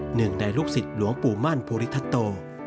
หนึ่งในลูกศิษย์หลวงปู่มั่นภูริทัตโต